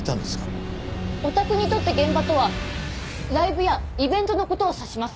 オタクにとって「現場」とはライブやイベントの事を指します。